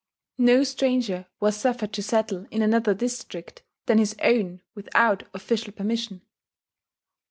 No stranger was suffered to settle in another district than his own without official permission.